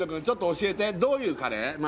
ちょっと教えてどういうカレー？